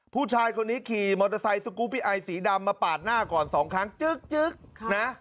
ผู้ชายคนนี้ขี่มอเตอร์ไซค์สกูปปี้ไอสีดำมาปาดหน้าก่อนสองครั้งจึ๊กนะ